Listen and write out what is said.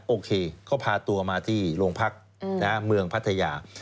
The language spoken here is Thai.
โอเคเขาพาตัวมาที่โรงพักเมืองพัทยา